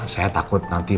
saya takut nanti